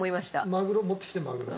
マグロ持ってきてマグロ。